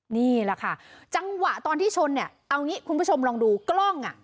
นี่แหละค่ะจังหวะตอนที่ชนเนี่ยเอางี้คุณผู้ชมลองดูกล้องอ่ะ